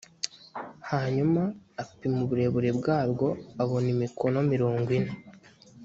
hanyuma apima uburebure bwarwo abona imikono mirongo ine